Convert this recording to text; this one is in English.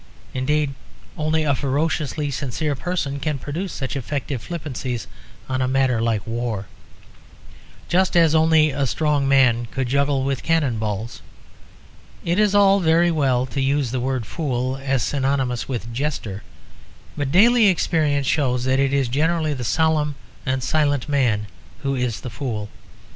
Indeed, only a ferociously sincere person can produce such effective flippancies on a matter like war; just as only a strong man could juggle with cannon balls. It is all very well to use the word "fool" as synonymous with "jester"; but daily experience shows that it is generally the solemn and silent man who is the fool.